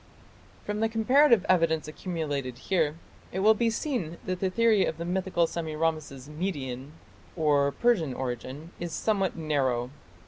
From the comparative evidence accumulated here, it will be seen that the theory of the mythical Semiramis's Median or Persian origin is somewhat narrow.